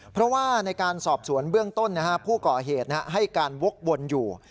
เพราะว่าในการสอบสวนเบื้องต้นผู้ก่อเหตุให้การวกวนอยู่